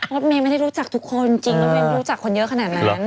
เมย์ไม่ได้รู้จักทุกคนจริงรถเมย์รู้จักคนเยอะขนาดนั้น